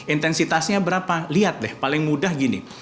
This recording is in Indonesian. intensitasnya berapa lihat deh paling mudah gini